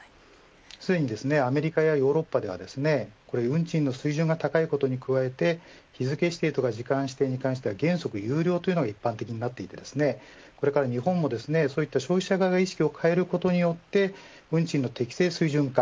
すでにアメリカやヨーロッパでは運賃の水準が高いことに加えて日付指定や時間指定に関しては原則有料というのが一般的になっていてこれから日本も、そういった消費者側が意識を変えることによって運賃の適正水準化